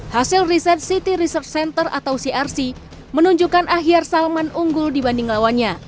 hasil riset city research center atau crc menunjukkan ahyar salman unggul dibanding lawannya